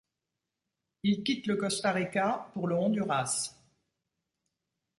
Il quitte le Costa Rica pour le Honduras.